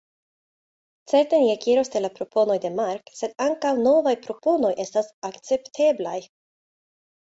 Certe ni ekiros de la proponoj de Mark, sed ankaŭ novaj proponoj estas akcepteblaj.